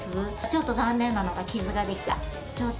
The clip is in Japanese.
ちょっと残念なのが傷ができた。